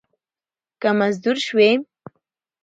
که مزدور شوې